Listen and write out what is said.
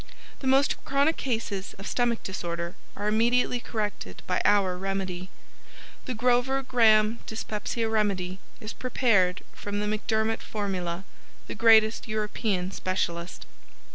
The most chronic cases of Stomach Disorder are immediately corrected by our remedy. The Grover Graham Dyspepsia Remedy is prepared from the McDermott formula, the greatest European Specialist.